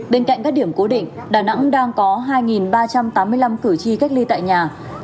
bên cạnh các điểm cố định đà nẵng đang có hai ba trăm tám mươi năm cử tri cách ly tại nhà